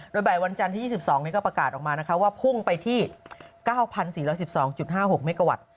โดยบ่ายวันจันทร์ที่๒๒นี้ก็ประกาศออกมานะคะว่าพุ่งไปที่๙๔๑๒๕๖เมกาวัตต์